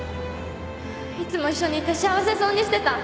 いつも一緒にいて幸せそうにしてた。